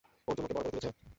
অর্জুন, ওকে বড়ো করে তুলেছে।